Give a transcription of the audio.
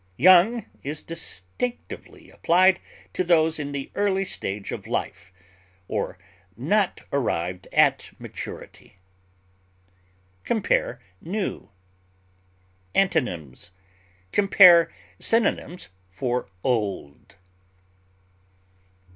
Young is distinctively applied to those in the early stage of life or not arrived at maturity. Compare NEW. Antonyms: Compare synonyms for OLD.